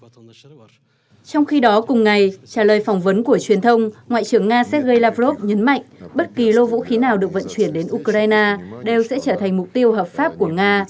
trong khi đó cùng ngày trả lời phỏng vấn của truyền thông ngoại trưởng nga sergei lavrov nhấn mạnh bất kỳ lô vũ khí nào được vận chuyển đến ukraine đều sẽ trở thành mục tiêu hợp pháp của nga